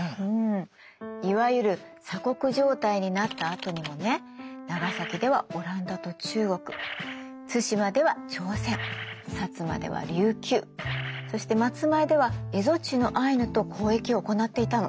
いわゆる鎖国状態になったあとにもね長崎ではオランダと中国対馬では朝鮮摩では琉球そして松前では蝦夷地のアイヌと交易を行っていたの。